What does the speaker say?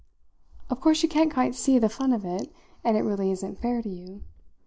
"Of course you can't quite see the fun of it, and it really isn't fair to you.